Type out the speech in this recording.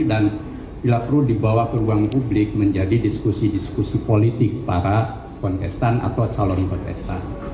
dan dilaporkan dibawa ke ruang publik menjadi diskusi diskusi politik para kontestan atau calon perteta